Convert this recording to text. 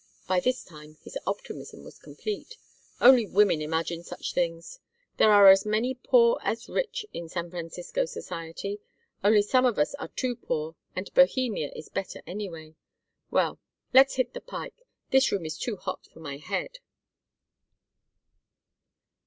By this time his optimism was complete. "Only women imagine such things. There are as many poor as rich in San Francisco society. Only some of us are too poor, and Bohemia is better anyway. Well, let's hit the pike. This room is too hot for my head."